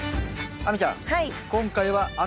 亜美ちゃん。